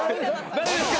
誰ですか？